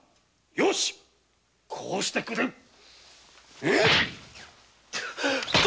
よしこうしてくれるわ。